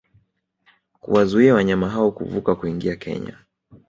kuwazuia wanyama hao kuvuka kuingia Kenya